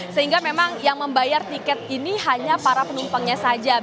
sehingga memang yang membayar tiket ini hanya para penumpangnya saja